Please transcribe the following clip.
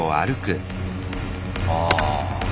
ああ。